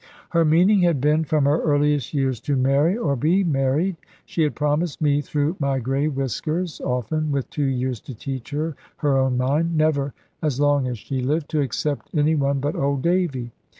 Her meaning had been, from her earliest years, to marry, or be married. She had promised me through my grey whiskers often (with two years to teach her her own mind), never, as long as she lived, to accept any one but old Davy.